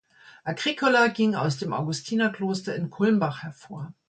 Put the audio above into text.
Agricola ging aus dem Augustinerkloster in Kulmbach hervor.